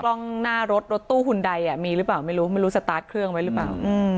กล้องหน้ารถรถตู้หุ่นใดมีหรือเปล่าไม่รู้ไม่รู้สตาร์ทเครื่องไว้หรือเปล่า